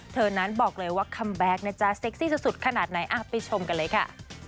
เธอนั้นบอกเลยว่าคัมแบ็คนะจ๊ะเซ็กซี่สุดขนาดไหนไปชมกันเลยค่ะ